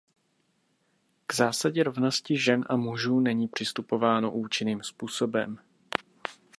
K zásadě rovnosti žen a mužů není přistupováno účinným způsobem.